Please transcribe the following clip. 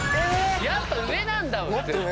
やっぱ上なんだ。